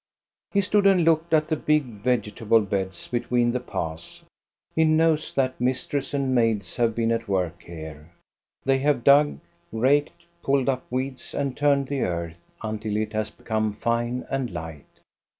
He stood and looked at the big vegetable beds between the paths. He knows that mistress and maids have been at work here. They have dug, raked, pulled up weeds and turned the earth, until it has become fine and light.